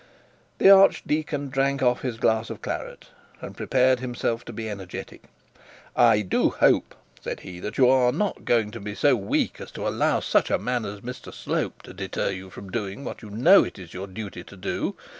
The archdeacon drank off his glass of claret, and prepared himself to be energetic. 'I do hope,' said he, 'that you are not going to be so weak as to allow such a man as Mr Slope to deter you from doing what you know is your duty to do.